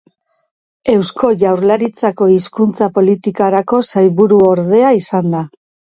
Eusko Jaurlaritzako Hizkuntza Politikarako sailburuordea izan da.